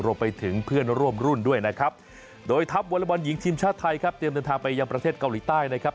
รวมไปถึงเพื่อนร่วมรุ่นด้วยนะครับโดยทัพวอเล็กบอลหญิงทีมชาติไทยครับเตรียมเดินทางไปยังประเทศเกาหลีใต้นะครับ